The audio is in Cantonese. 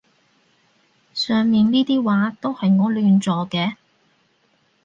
上面呢啲話都係我亂作嘅